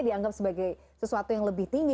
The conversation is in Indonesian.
dianggap sebagai sesuatu yang lebih tinggi